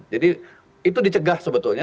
jadi itu dicegah sebetulnya